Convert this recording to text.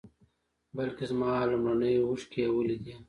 بلکې زما لومړنۍ اوښکې یې ولیدې.